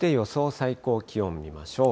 最高気温見ましょう。